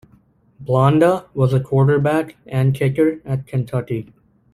Blanda was a quarterback and kicker at Kentucky.